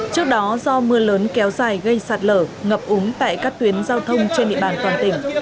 trước đó do mưa lớn kéo dài gây sạt lở ngập úng tại các tuyến giao thông trên địa bàn toàn tỉnh